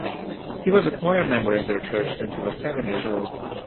He was a choir member in their church since he was seven years old.